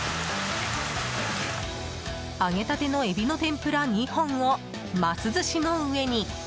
揚げたてのエビの天ぷら２本をます寿司の上に。